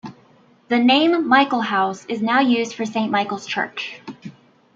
The name Michaelhouse is now used for Saint Michael's Church.